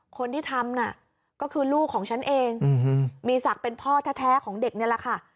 คนที่ทำน่ะก็คือลูกของฉันเองมีศักดิ์เป็นพ่อแท้ของเด็กนี่แหละค่ะ